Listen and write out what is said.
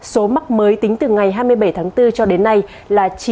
số mắc mới tính từ ngày hai mươi bảy tháng bốn cho đến nay là chín chín trăm tám mươi chín ca